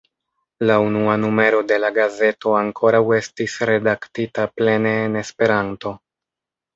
La unua numero de la gazeto ankoraŭ estis redaktita plene en Esperanto.